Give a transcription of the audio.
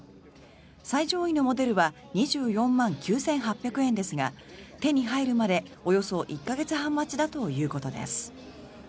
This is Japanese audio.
最上位のモデルは２４万９８００円ですが手に入るまでおよそ１か月半待ちだということです。